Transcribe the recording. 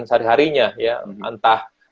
sehari harinya ya entah